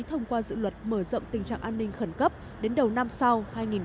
thông qua dự luật mở rộng tình trạng an ninh khẩn cấp đến đầu năm sau hai nghìn hai mươi